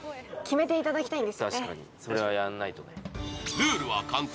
ルールは簡単。